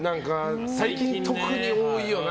最近特に多いよな。